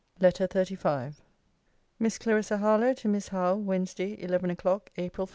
LETTER XXXV MISS CLARISSA HARLOWE, TO MISS HOWE WEDNESDAY, ELEVEN O'CLOCK, APRIL 5.